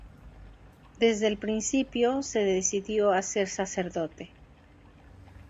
Desde el principio, se decidió a ser sacerdote.